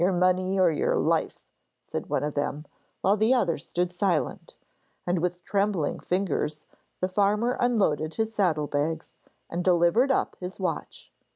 'Your money or your life,' said one of them, while the other stood silent; and with trembling fingers the farmer unloaded his saddle bags, and delivered up his watch.